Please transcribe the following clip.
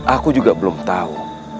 aku juga belum tau